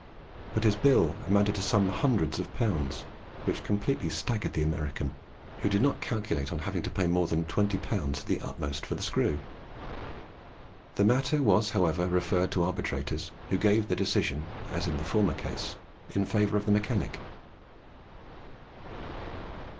But his bill amounted to some hundreds of pounds, which completely staggered the American, who did not calculate on having to pay more than 20L. at the utmost for the screw. The matter was, however, referred to arbitrators, who gave their decision, as in the former case, in favour of the mechanic.